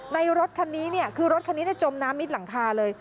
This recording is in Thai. รถคันนี้เนี่ยคือรถคันนี้จมน้ำมิดหลังคาเลย